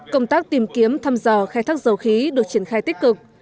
công tác tìm kiếm thăm dò khai thác dầu khí được triển khai tích cực